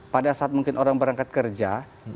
pada saat mungkin orang berangkat kerja